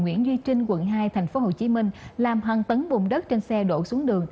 nguyễn duy trinh quận hai tp hcm làm hàng tấn bùn đất trên xe đổ xuống đường